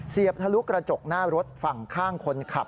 บทะลุกระจกหน้ารถฝั่งข้างคนขับ